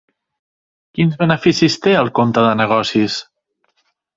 Quins beneficis té el compte de negocis?